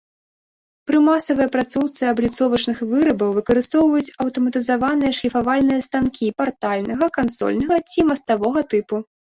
Пры масавай апрацоўцы абліцовачных вырабаў выкарыстоўваюць аўтаматызаваныя шліфавальныя станкі партальнага, кансольнага ці маставога тыпу.